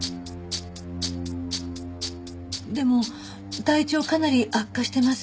でも体調かなり悪化してます。